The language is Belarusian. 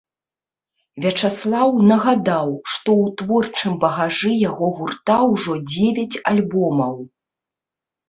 Вячаслаў нагадаў, што ў творчым багажы яго гурта ўжо дзевяць альбомаў.